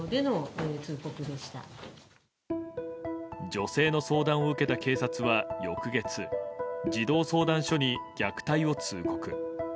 女性の相談を受けた警察は翌月児童相談所に虐待を通告。